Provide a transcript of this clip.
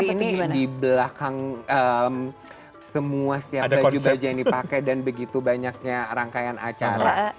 ini di belakang semua setiap baju baju yang dipakai dan begitu banyaknya rangkaian acara